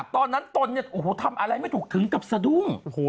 ตอนนั้นตนเนี่ยทำอะไรไม่ถูกถึงกับสดุ้ง